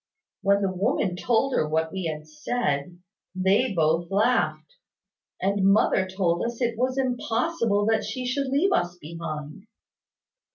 When the woman told her what we had said, they both laughed; and mother told us it was impossible that she should leave us behind.